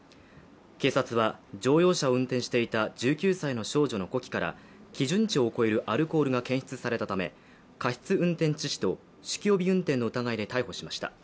警察は、乗用車を運転していた１９歳の少女の呼気から基準値を超えるアルコールが検出されたため、過失運転致死と酒気帯び運転の疑いで逮捕しました。